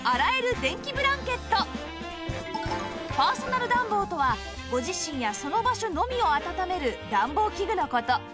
パーソナル暖房とはご自身やその場所のみをあたためる暖房器具の事